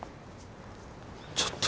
ちょっと。